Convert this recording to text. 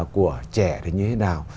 của trẻ như thế nào